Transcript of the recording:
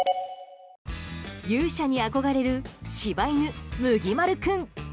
勇者に憧れる柴犬むぎまる君。